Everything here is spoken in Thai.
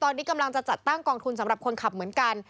ตอนนี้กำลังจะจัดตั้งกองทุนสำหรับคนขับเหมือนกัน